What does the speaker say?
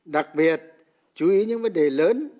đặc biệt chú ý những vấn đề lớn